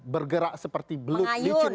bergerak seperti belut licin